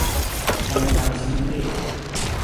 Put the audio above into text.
วรรณกรรมชิ้นเอก